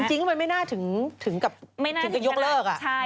จริงมันไม่น่าถึงกับถึงจะยกเลิก